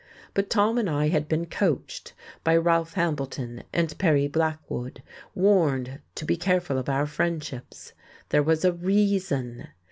But Tom and I had been "coached" by Ralph Hambleton and Perry Blackwood, warned to be careful of our friendships. There was a Reason!